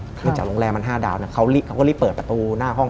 จากโรงแรมมัน๕ดาวเขาก็รีบเปิดประตูหน้าห้อง